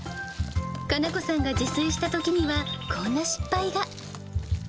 可奈子さんが自炊したときには、こんな失敗が。